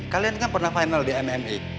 kalian kan pernah final di mmi